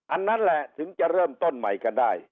อันนั้นแหละถึงจะเริ่มต้นใหม่กันได้